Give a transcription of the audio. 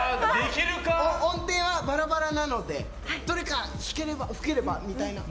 音程はバラバラなのでどれか吹ければみたいな。